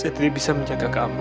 saya tidak bisa menjaga kamu